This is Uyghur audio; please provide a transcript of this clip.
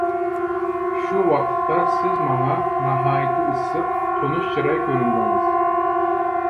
شۇ ۋاقىتتا سىز ماڭا ناھايىتى ئىسسىق، تونۇش چىراي كۆرۈندىڭىز.